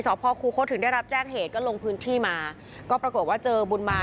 พ่อคูคศถึงได้รับแจ้งเหตุก็ลงพื้นที่มาก็ปรากฏว่าเจอบุญมา